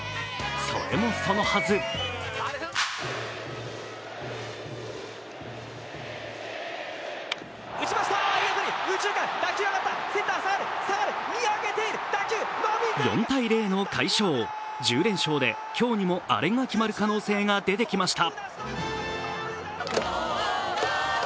それもそのはず４−０の快勝、１０連勝で今日にもアレが決まる可能性が出てきました。